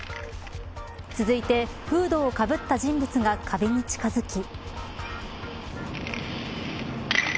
続いてフードをかぶった人物が壁に近づき。